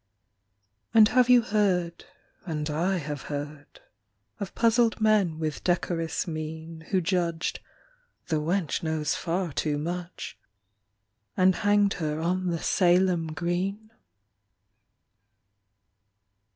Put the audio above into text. And have you heard (and I have heard) Of puzzled men with decorous mien, Who judged The wench knows far too much And hanged her on the Salem green?